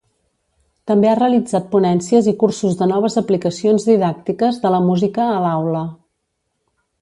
També ha realitzat ponències i cursos de noves aplicacions didàctiques de la música a l'aula.